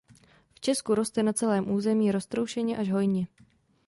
V Česku roste na celém území roztroušeně až hojně.